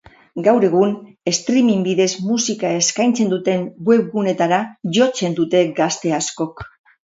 Gaur egun, streaming bidez musika eskaintzen duten webguneetara jotzen dute gazte askok.